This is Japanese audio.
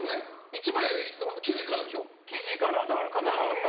１枚の生地からでしょ？